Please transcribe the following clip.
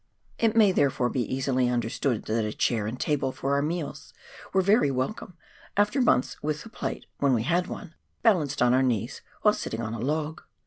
It may, therefore, be easily understood that a chair and table for our meals were very wel come, after months with the plate — when we had one — balanced on our knees, while sitting on a log.